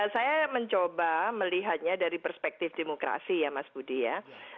saya mencoba melihatnya dari perspektif demokrasi ya mas budi ya